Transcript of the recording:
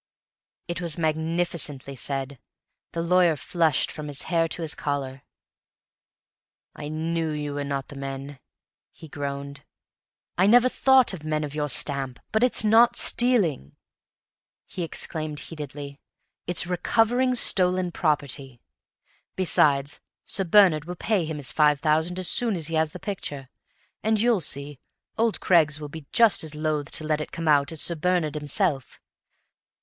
It was magnificently said; the lawyer flushed from his hair to his collar. "I knew you were not the men!" he groaned. "I never thought of men of your stamp! But it's not stealing," he exclaimed heatedly; "it's recovering stolen property. Besides, Sir Bernard will pay him his five thousand as soon as he has the picture; and, you'll see, old Craggs will be just as loath to let it come out as Sir Bernard himself.